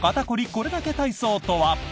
これだけ体操とは？